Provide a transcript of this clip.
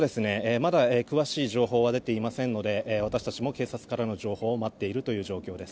まだ詳しい情報は出ていませんので私たちも警察からの情報を待っている状況です。